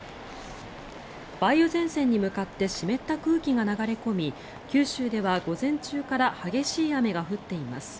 梅雨前線に向かって湿った空気が流れ込み九州では午前中から激しい雨が降っています。